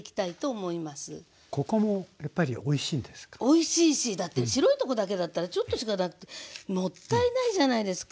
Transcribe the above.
おいしいしだって白いとこだけだったらちょっとしかだってもったいないじゃないですか。